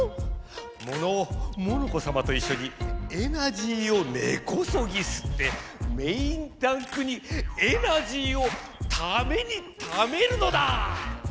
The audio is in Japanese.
モノオモノコさまといっしょにエナジーをねこそぎすってメインタンクにエナジーをためにためるのだ！